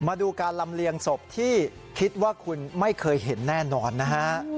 มาดูการลำเลียงศพที่คิดว่าคุณไม่เคยเห็นแน่นอนนะฮะ